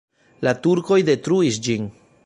La turkoj detruis ĝin.